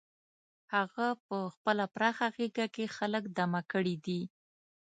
هغه په خپله پراخه غېږه کې خلک دمه کړي دي.